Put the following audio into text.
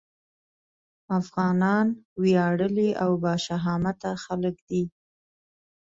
افغانان وياړلي او باشهامته خلک دي.